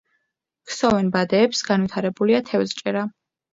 ქსოვენ ბადეებს; განვითარებულია თევზჭერა.